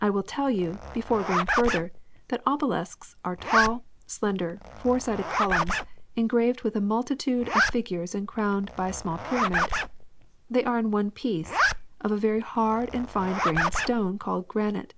I will tell you, before going further, that obelisks are tall, slender, four sided columns engraved with a multitude of figures and cro^\^led by a small pyramid. They are in one piece, of a very hard and fine grained stone called granite.